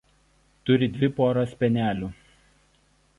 Turi dvi poras spenelių.